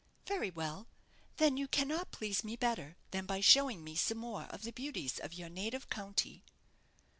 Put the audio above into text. "Very well, then, you cannot please me better than by showing me some more of the beauties of your native county."